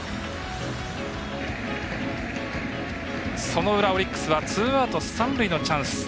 その裏、オリックスはツーアウト、三塁のチャンス。